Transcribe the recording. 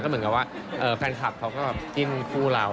เหมือนกับว่าแฟนคลับเขาก็แบบจิ้มคู่เรา